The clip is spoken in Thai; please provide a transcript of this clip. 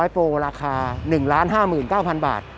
โปรราคา๑๕๙๐๐บาท